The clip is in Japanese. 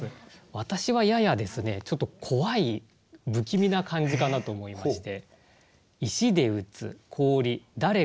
私はややですねちょっと怖い不気味な感じかなと思いまして。